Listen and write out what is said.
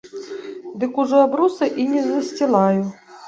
Дык ужо абруса і не засцілаю.